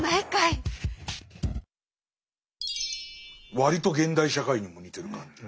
割と現代社会にも似てる感じ。